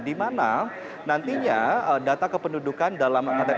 di mana nantinya data kependudukan dalam ktp berbasis elektronik